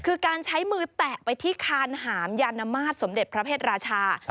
คือการใช้มือแตะไปที่คานหามยานมาตรสมเด็จพระเพศราชา